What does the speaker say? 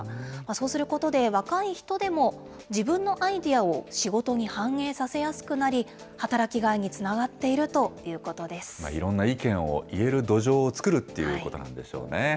そうすることで、若い人でも自分のアイデアを仕事に反映させやすくなり、働きがいいろんな意見を言える土壌を作るということなんでしょうね。